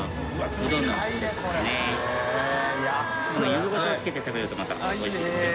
ゆずこしょうつけて食べるとまたおいしいですよ。